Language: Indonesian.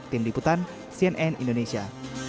tim diputan cnn indonesia